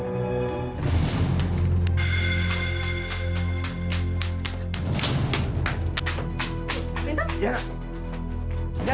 kamu juga pengalaman pertama